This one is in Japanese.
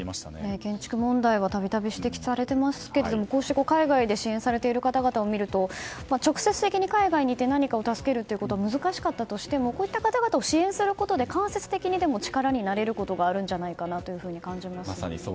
建築問題は度々、指摘されていますがこうして、海外で支援されている方々を見ると直接的に海外にいって何かを助けることは難しくてもこういった方々を支援することで間接的にでも力になれることがあるんじゃないかと感じました。